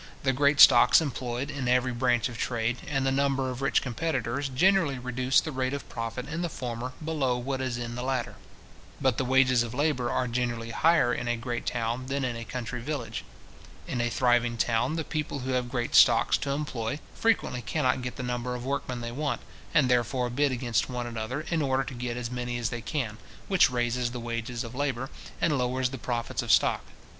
The great stocks employed in every branch of trade, and the number of rich competitors, generally reduce the rate of profit in the former below what it is in the latter. But the wages of labour are generally higher in a great town than in a country village. In a thriving town, the people who have great stocks to employ, frequently cannot get the number of workmen they want, and therefore bid against one another, in order to get as many as they can, which raises the wages of labour, and lowers the profits of stock.